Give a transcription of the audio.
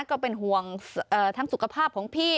ก็เป็นห่วงทั้งสุขภาพของพี่